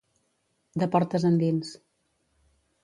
De portes endins.